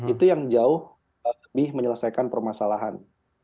itu yang jauh lebih menyelesaikan permasalahan